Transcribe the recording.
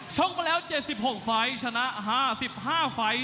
ชกมาแล้ว๗๖ไฟล์ชนะ๕๕ไฟล์